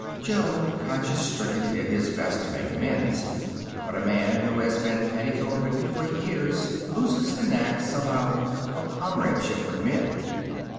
Jo, conscience stricken, did his best to make amends. But a man who has been petticoat ridden for years loses the knack, somehow, of comradeship with men.